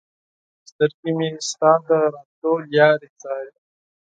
سترګې مې ستا د راتلو لارې څاري